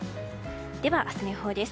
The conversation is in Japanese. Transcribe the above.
では明日の予報です。